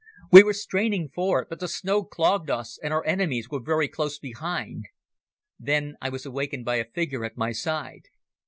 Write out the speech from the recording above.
We were straining for it, but the snow clogged us, and our enemies were very close behind. Then I was awakened by a figure at my side.